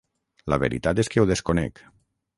La veritat és que ho desconec.